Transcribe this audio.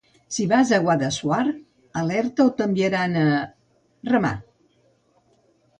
Si vas a Guadassuar alerta o t'enviaran a... remar.